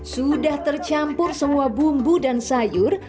sudah tercampur semua bumbu dan sayur